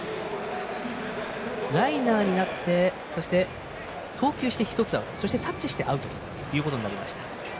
ライナーになって送球して１つアウトタッチしてアウトということになりました。